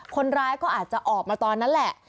คนร้ายก็อาจจะออกมาตอนนั้นแหละ